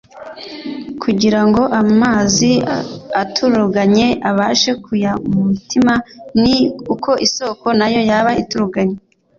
Kugira ngo amazi aturuganye abashe kuya mu mutima, ni uko isoko na yo yaba ituruganye.